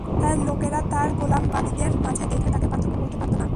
তাই লোকেরা তাঁর গোলাম-বাদীদের মাঝে দেখলে তাঁকে পার্থক্য করতে পারত না।